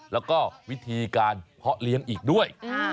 แล้วก็วิธีการเพาะเลี้ยงอีกด้วย